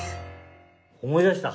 思い出した。